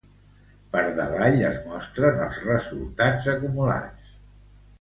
Per davall es mostren els resultats acumulats.